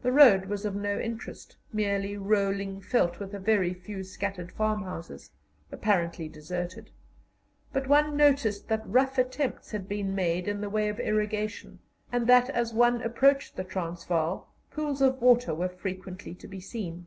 The road was of no interest, merely rolling veldt with a very few scattered farmhouses, apparently deserted; but one noticed that rough attempts had been made in the way of irrigation, and that, as one approached the Transvaal, pools of water were frequently to be seen.